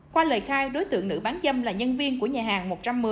qua lời khai đối tượng nữ bán dâm là nhân viên của nhà hàng một trăm một mươi